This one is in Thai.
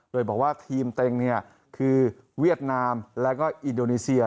โดยบอกว่าทีมเต็งเนี่ยคือเวียดนามแล้วก็อินโดนีเซีย